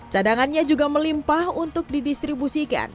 cadangannya juga melimpah untuk didistribusikan